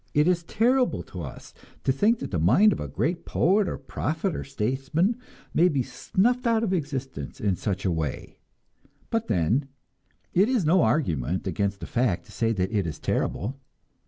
It is terrible to us to think that the mind of a great poet or prophet or statesman may be snuffed out of existence in such a way; but then, it is no argument against a fact to say that it is terrible.